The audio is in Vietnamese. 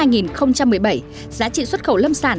giá trị xuất khẩu lâm sản